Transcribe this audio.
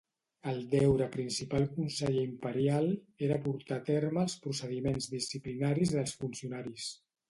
El deure principal conseller imperial era portar a terme els procediments disciplinaris dels funcionaris.